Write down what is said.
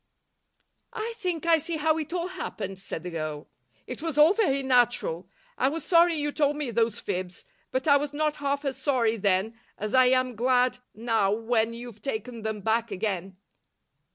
"I think I see how it all happened," said the girl. "It was all very natural. I was sorry you told me those fibs, but I was not half as sorry then as I am glad now when you've taken them back again."